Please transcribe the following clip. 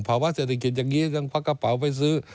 ภาวะเศรษฐกิจอย่างนี้ต้องพักกระเป๋าไปซื้อ